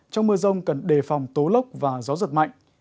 trong mưa rông cần đề phòng tố lốc và gió giật mạnh